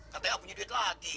katanya nggak punya duit lagi